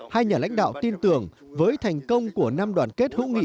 hai nhà lãnh đạo tin tưởng với thành công của năm đoàn kết hữu nghị